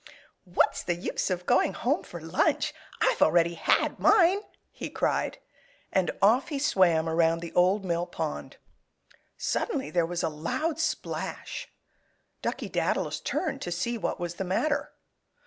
"What's the use of going home for lunch? I've had mine already!" he cried. And off he swam around the Old Mill Pond. Suddenly there was a loud splash. Duckey Daddles turned to see what was the matter.